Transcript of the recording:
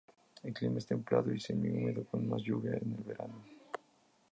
El clima es templado y semi-húmedo con más lluvia en el verano.